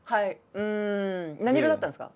うん何色だったんですか？